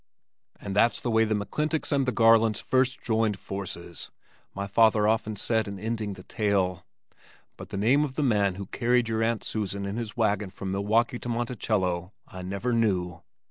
"And that's the way the McClintocks and the Garlands first joined forces," my father often said in ending the tale. "But the name of the man who carried your Aunt Susan in his wagon from Milwaukee to Monticello I never knew."